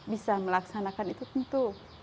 bisa melaksanakan itu tentu